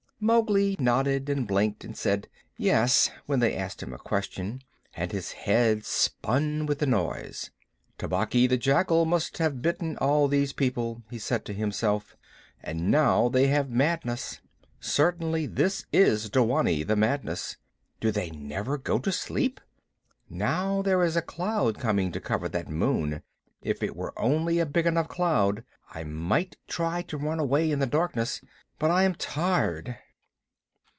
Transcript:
Mowgli nodded and blinked, and said "Yes" when they asked him a question, and his head spun with the noise. "Tabaqui the Jackal must have bitten all these people," he said to himself, "and now they have madness. Certainly this is dewanee, the madness. Do they never go to sleep? Now there is a cloud coming to cover that moon. If it were only a big enough cloud I might try to run away in the darkness. But I am tired."